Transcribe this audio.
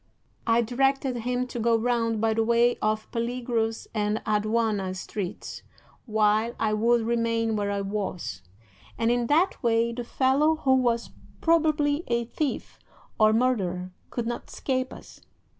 I directed him to go round by the way of Peligros and Aduana Streets, while I would remain where I was, and in that way the fellow, who was probably a thief or murderer, could not escape us.